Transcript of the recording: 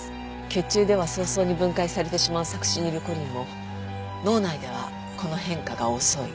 血中では早々に分解されてしまうサクシニルコリンも脳内ではこの変化が遅い。